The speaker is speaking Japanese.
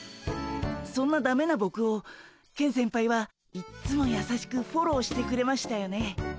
そんなダメなボクをケン先輩はいっつもやさしくフォローしてくれましたよね。